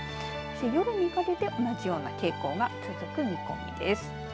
夜にかけて同じような傾向が続く見込みです。